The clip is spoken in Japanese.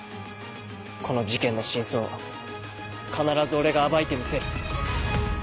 この事件の真相は必ず俺が暴いてみせる。